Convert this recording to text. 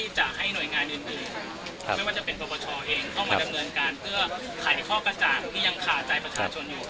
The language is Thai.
ไม่ว่าจะเป็นประชาเองเข้ามาดำเนินการเพื่อขายข้อกระจ่างที่ยังขาดใจประชาชนอยู่